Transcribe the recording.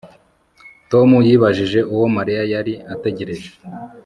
Tom yibajije uwo Mariya yari ategereje